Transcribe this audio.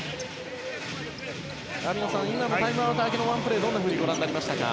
網野さん、今のタイムアウト明けのワンプレーどうご覧になりますか。